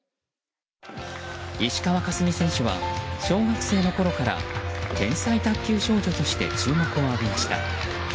石川佳純選手は小学生のころから天才卓球少女として注目を浴びました。